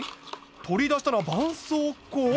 取り出したのはばんそうこう？